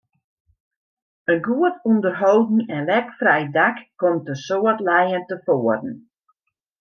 In goed ûnderholden en lekfrij dak komt in soad lijen tefoaren.